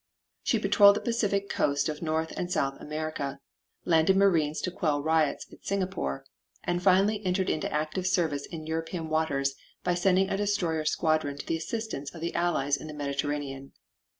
She patrolled the Pacific coast of North and South America, landed marines to quell riots at Singapore, and finally entered into active service in European waters by sending a destroyer squadron to the assistance of the Allies in the Mediterranean.